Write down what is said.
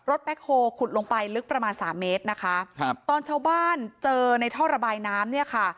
แบ็คโฮลขุดลงไปลึกประมาณสามเมตรนะคะครับตอนชาวบ้านเจอในท่อระบายน้ำเนี่ยค่ะ